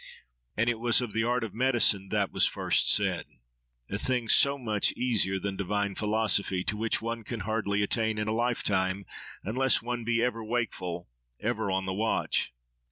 And it was of the art of medicine, that was first said—a thing so much easier than divine philosophy, to which one can hardly attain in a lifetime, unless one be ever wakeful, ever on the watch.